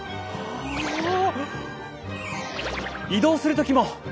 移動をする時も。